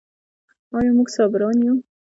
آیا موږ صابران یو؟